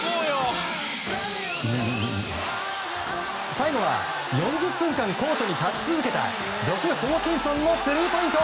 最後は４０分間コートに立ち続けたジョシュ・ホーキンソンのスリーポイント！